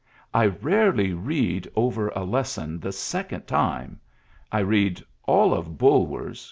^^ I rarely read over a lesson the second time. ... I read all of Bulwer's